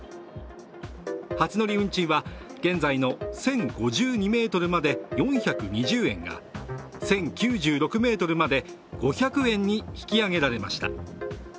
初乗り運賃は、現在の１０５２ｍまで４２０円が、１０９６ｍまで５００円に引き上げられました。